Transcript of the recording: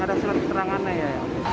ada surat keterangannya ya